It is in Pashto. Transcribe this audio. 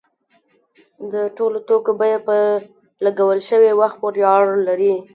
د ټولو توکو بیه په لګول شوي وخت پورې اړه لري.